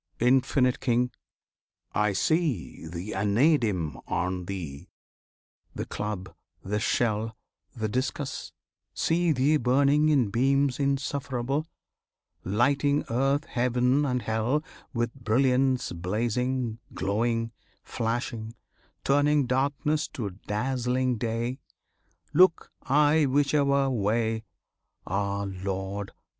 Infinite King! I see The anadem on Thee, The club, the shell, the discus; see Thee burning In beams insufferable, Lighting earth, heaven, and hell With brilliance blazing, glowing, flashing; turning Darkness to dazzling day, Look I whichever way; Ah, Lord!